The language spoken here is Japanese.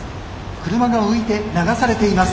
車が浮いて流されています。